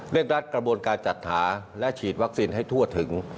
รัฐกระบวนการจัดหาและฉีดวัคซีนให้ทั่วถึง